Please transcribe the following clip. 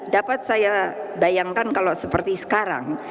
dapat saya bayangkan kalau seperti sekarang